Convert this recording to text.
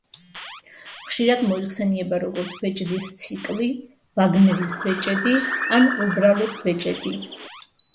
ხშირად მოიხსენიება, როგორც „ბეჭდის ციკლი“, „ვაგნერის ბეჭედი“, ან უბრალოდ, „ბეჭედი“.